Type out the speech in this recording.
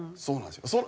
そうなんですよ。